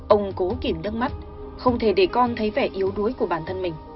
ông cố kiểm đất mắt không thể để con thấy vẻ yếu đuối của bản thân mình